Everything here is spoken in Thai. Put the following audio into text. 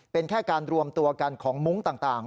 เป็นแค่การรวมตัวกันของมุ้งต่าง